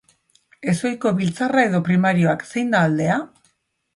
Ezohiko biltzarra edo primarioak, zein da aldea?